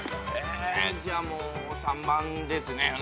えじゃあもう３番ですね。